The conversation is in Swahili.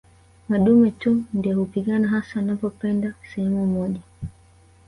Madume tu ndio hupigana hasa wanapopenda sehemu moja